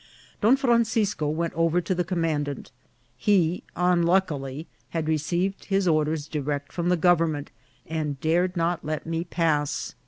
Don Francisco went over to the commandant. He, unluckily, had received his orders direct from the government, and dared not let me pass.